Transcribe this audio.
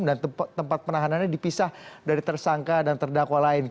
dan tempat penahanannya dipisah dari tersangka dan terdakwa lain